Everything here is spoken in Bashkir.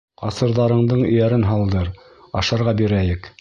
Ҡасырҙарыңдың эйәрен һалдыр, ашарға бирәйек.